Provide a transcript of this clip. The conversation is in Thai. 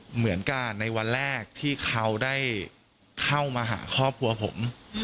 เหมือนกับในวันแรกที่เขาได้เข้ามาหาครอบครัวผม